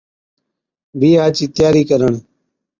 بِيھا چِي تياري ڪرڻ